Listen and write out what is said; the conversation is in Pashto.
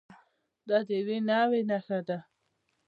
دا د یوې نوعې نښه ده.